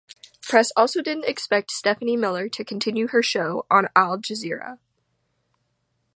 Press also didn't expect Stephanie Miller to continue her show on Al Jazeera.